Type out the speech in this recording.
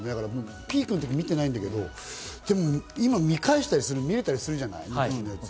ピークの時、見ていないんだけど、今、見返したりする、見れたりするじゃない。